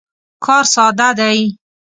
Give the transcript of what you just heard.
کار ساده دی.